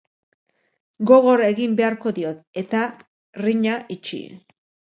Gogor egin beharko diot, eta ringa itxi.